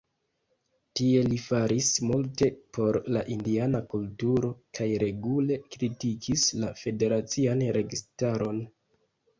Tie li faris multe por la indiana kulturo kaj regule kritikis la federacian registaron.